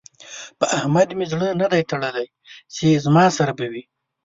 په احمد مې زړه نه دی تړلی چې زما سره به وي.